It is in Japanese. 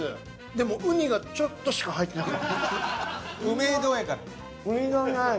でもウニがちょっとしか入ってなかった。